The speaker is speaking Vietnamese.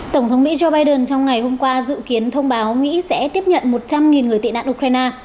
tổng thống mỹ joe biden trong ngày hôm qua dự kiến thông báo mỹ sẽ tiếp nhận một trăm linh người tị nạn ukraine